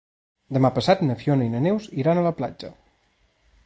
Demà passat na Fiona i na Neus iran a la platja.